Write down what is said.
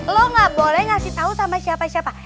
lo ga boleh ngasih tau sama siapa siapa